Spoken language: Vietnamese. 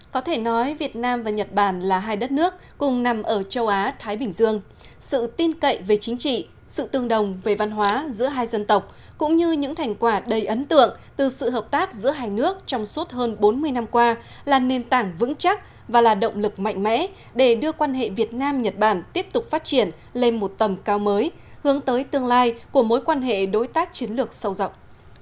có thể nói việt nam và nhật bản là hai đất nước cùng nằm ở châu á thái bình dương sự tin cậy về chính trị sự tương đồng về văn hóa giữa hai dân tộc cũng như những thành quả đầy ấn tượng từ sự hợp tác giữa hai nước trong suốt hơn bốn mươi năm qua là nền tảng vững chắc và là động lực mạnh mẽ để đưa quan hệ việt nam nhật bản tiếp tục phát triển lên một tầm cao mới hướng tới tương lai của mối quan hệ đối tác chiến lược sâu rộng